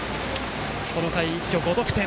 この回一挙５得点。